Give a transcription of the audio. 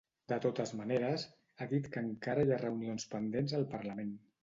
De totes maneres, ha dit que encara hi ha reunions pendents al parlament.